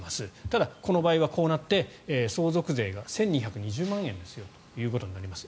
ただ、この場合はこうなって相続税が１２２０万円となります。